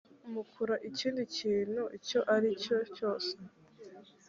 mukora ikindi kintu icyo ari cyo cyose